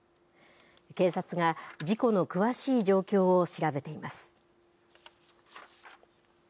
警察が事故の詳しい状況を調べています。